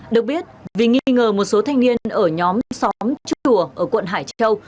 được biết vì nghi ngờ một số thanh niên ở nhóm xóm chùa ở quận hải châu